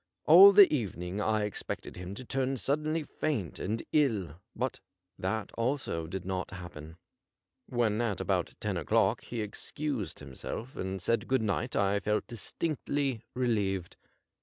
All the even ing I expected him to turn suddenly faint and ill, but that also did not happen. When at about ten o'clock he excused himself and said good night I felt distinctly relieved.